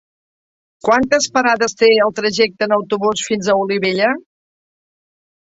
Quantes parades té el trajecte en autobús fins a Olivella?